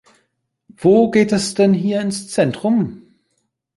Wo geht es denn hier ins Zentrum?